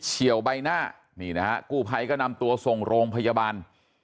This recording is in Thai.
ี่ยวใบหน้านี่นะฮะกู้ภัยก็นำตัวส่งโรงพยาบาล